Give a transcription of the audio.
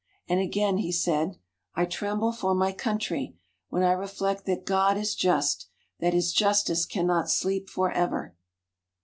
And again he said: "I tremble for my Country, when I reflect that God is just; that His justice cannot sleep for ever."